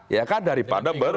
ya kan daripada ber